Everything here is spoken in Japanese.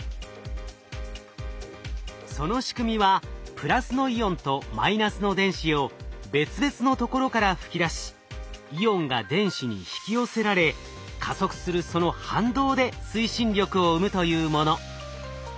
その仕組みはプラスのイオンとマイナスの電子を別々のところから吹き出しイオンが電子に引き寄せられ加速するその反動で推進力を生むというもの。